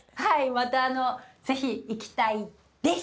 また是非行きたいです！